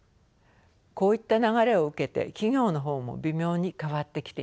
こういった流れを受けて企業の方も微妙に変わってきています。